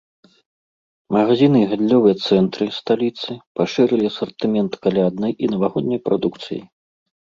Магазіны і гандлёвыя цэнтры сталіцы пашырылі асартымент каляднай і навагодняй прадукцыяй.